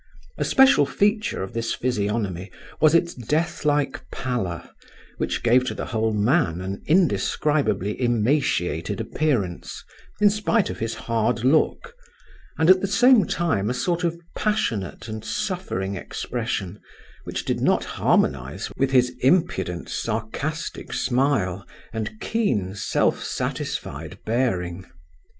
A special feature of this physiognomy was its death like pallor, which gave to the whole man an indescribably emaciated appearance in spite of his hard look, and at the same time a sort of passionate and suffering expression which did not harmonize with his impudent, sarcastic smile and keen, self satisfied bearing.